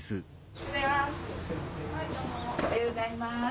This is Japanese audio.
おはようございます。